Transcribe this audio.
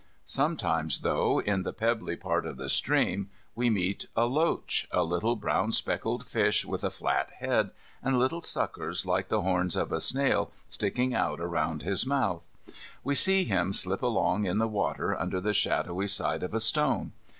Sometimes, though, in the pebbly part of the stream we meet a loach, a little brown speckled fish with a flat head and little suckers like the horns of a snail sticking out all round his mouth. We see him slip along in the water under the shadowy side of a stone.